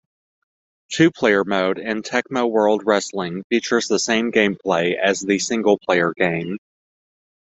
Two-player mode in "Tecmo World Wrestling" features the same gameplay as the single-player game.